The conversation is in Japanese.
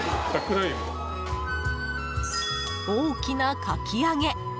大きなかき揚げ！